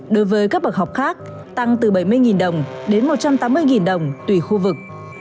đối với các bậc học khác tăng từ bảy mươi đồng đến một trăm tám mươi đồng tùy khu vực